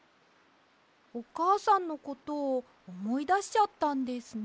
おかあさんのことをおもいだしちゃったんですね。